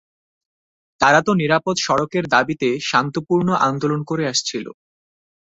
তারা তো নিরাপদ সড়কের দাবিতে শান্তপূর্ণ আন্দোলন করে আসছিল।